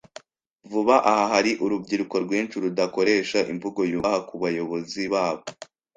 Vuba aha hari urubyiruko rwinshi rudakoresha imvugo yubaha kubayobozi babo.